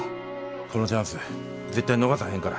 このチャンス絶対逃さへんから。